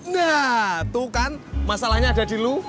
nah tuh kan masalahnya ada di lu